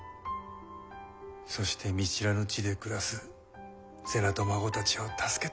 そして見知らぬ地で暮らす瀬名と孫たちを助けてまいろう。